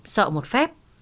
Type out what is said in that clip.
sợ một phép